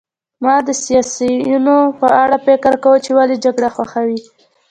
ما د سیاسیونو په اړه فکر کاوه چې ولې جګړه خوښوي